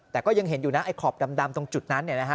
แต่ก็ยังเห็นอยู่นะไอ้ขอบดำตรงจุดนั้นเนี่ยนะฮะ